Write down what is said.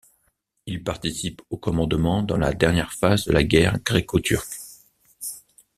Il participe au commandement dans la dernière phase de la guerre gréco-turque.